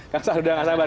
kang saan udah gak sabar